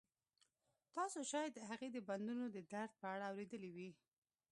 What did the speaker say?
تاسو شاید د هغې د بندونو د درد په اړه اوریدلي وي